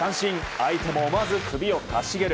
相手も思わず首をかしげる。